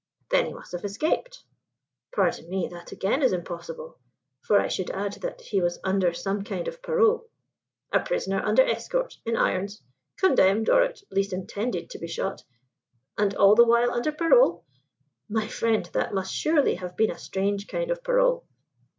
"Then he must have escaped." "Pardon me, that again is impossible; for I should add that he was under some kind of parole." "A prisoner under escort, in irons condemned, or at least intended, to be shot and all the while under parole! My friend, that must surely have been a strange kind of parole!"